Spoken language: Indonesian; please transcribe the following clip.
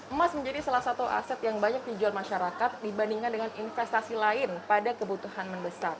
emas menjadi salah satu aset yang banyak dijual masyarakat dibandingkan dengan investasi lain pada kebutuhan mendesak